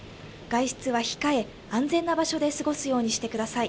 外出は控え、安全な場所で過ごすようにしてください。